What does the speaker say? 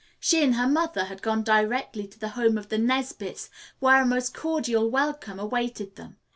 She and her mother had gone directly to the home of the Nesbits, where a most cordial welcome awaited them.